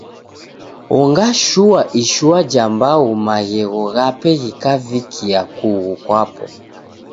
Ong'ashua ishua ja mbau maghegho ghape ghikavikia kughu kwapo.